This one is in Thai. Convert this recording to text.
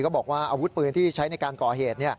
บอกว่าอาวุธปืนที่ใช้ในการก่อเหตุ